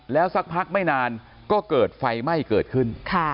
แล้วสักพักไม่นานก็เกิดไฟไหม้เกิดขึ้น